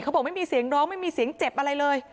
บอกไม่มีเสียงร้องไม่มีเสียงเจ็บอะไรเลย